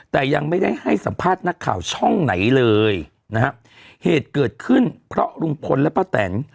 แต่ยังไม่ได้ให้สัมภาษณ์นักข่าวช่องไหนเลยนะฮะเหตุเกิดขึ้นเพราะลุงพลและป้าแตน